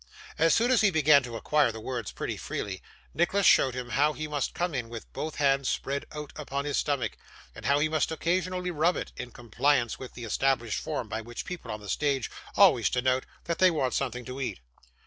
As soon as he began to acquire the words pretty freely, Nicholas showed him how he must come in with both hands spread out upon his stomach, and how he must occasionally rub it, in compliance with the established form by which people on the stage always denote that they want something to eat.